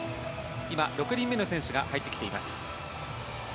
今、６人目の選手が入ってきています。